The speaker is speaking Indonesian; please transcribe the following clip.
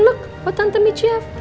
look buat tante michi ya